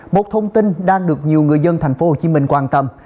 một thông tin đang được nhiều người dân tp hcm quan tâm